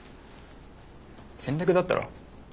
戦略だったろ？